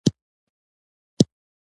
خانزۍ